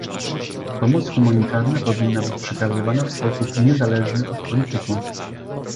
Pomoc humanitarna powinna być przekazywana w sposób niezależny od polityki